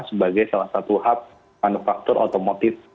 sebagai salah satu hub manufaktur otomotif